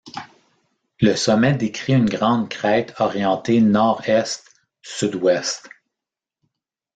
Le sommet décrit une grande crête orientée nord-est – sud-ouest.